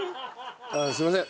すいません。